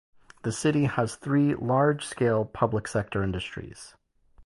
The city has three large-scale public sector industries.